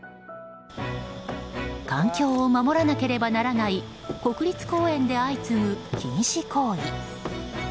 環境を守らなければならない国立公園で相次ぐ禁止行為。